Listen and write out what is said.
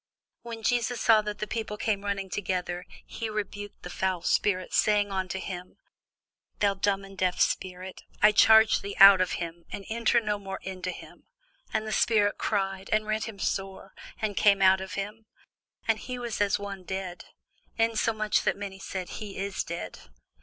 When Jesus saw that the people came running together, he rebuked the foul spirit, saying unto him, Thou dumb and deaf spirit, I charge thee, come out of him, and enter no more into him. And the spirit cried, and rent him sore, and came out of him: and he was as one dead; insomuch that many said, He is dead.